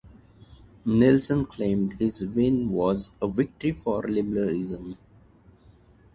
Nelson claimed his win was "a victory for liberalism".